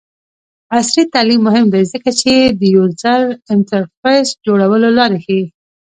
عصري تعلیم مهم دی ځکه چې د یوزر انټرفیس جوړولو لارې ښيي.